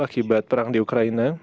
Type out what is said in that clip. akibat perang di ukraina